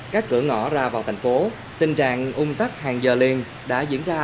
các cửa ngõ ra vào thành phố tình trạng ung tắc hàng giờ liền đã diễn ra